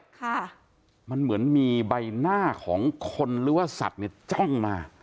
ค่ะมันเหมือนมีใบหน้าของคนหรือว่าสัตว์เนี่ยจ้องมา